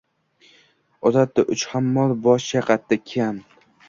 Uzatdi, uch hammol bosh chayqadi: — Kam!